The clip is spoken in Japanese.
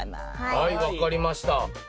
はい分かりました。